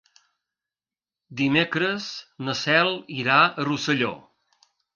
Dimecres na Cel irà a Rosselló.